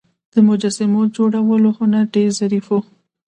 د مجسمو جوړولو هنر ډیر ظریف و